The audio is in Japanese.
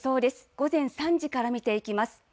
午前３時から見ていきます。